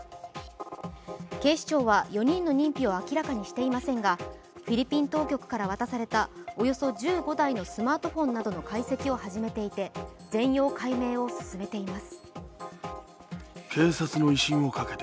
警視庁は４人の認否を明らかにしていませんがフィリピン当局から渡されたおよそ１５台のスマートフォンなどの解析を始めていて全容解明を進めています。